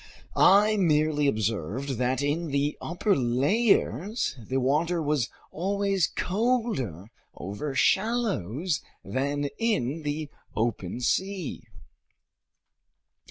I merely observed that in the upper layers, the water was always colder over shallows than in the open sea.